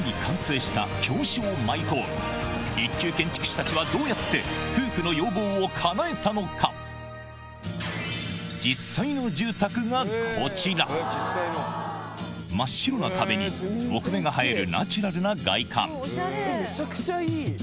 一級建築士たちは真っ白な壁に木目が映えるナチュラルな外観めちゃくちゃいい！